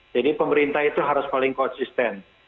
jadi pemerintah itu harus paling konsisten